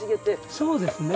そうですね。